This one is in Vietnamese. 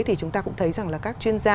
thì chúng ta cũng thấy rằng là các chuyên gia